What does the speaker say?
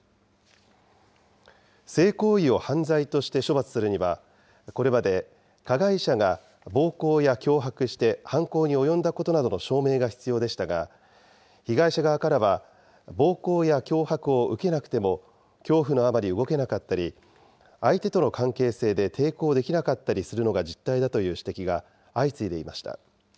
性行為を犯罪として処罰するには、これまで加害者が暴行や脅迫して犯行に及んだことなどの証明が必要でしたが、被害者側からは暴行や脅迫を受けなくても恐怖のあまり動けなかったり、相手との関係性で抵抗できなかったりするのが実態だという指摘が相次いでいました。